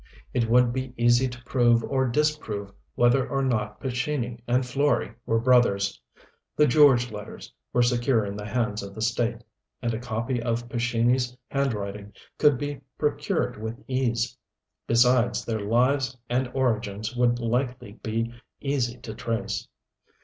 It would be easy to prove or disprove whether or not Pescini and Florey were brothers: the "George" letters were secure in the hands of the State, and a copy of Pescini's handwriting could be procured with ease. Besides their lives and origins would likely be easy to trace.